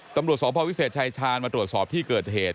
ตำรวจสพวิเศษชายชาญมาตรวจสอบที่เกิดเหตุ